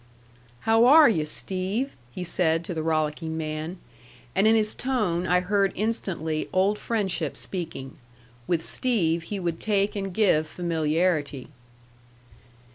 "How are yu' Steve?" he said to the rollicking man. And in his tone I heard instantly old friendship speaking. With Steve he would take and give familiarity.